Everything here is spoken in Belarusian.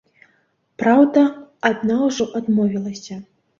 Праўда, адна ўжо адмовілася.